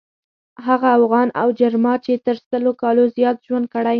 هغه اوغان او جرما چې تر سلو کالو زیات ژوند کړی.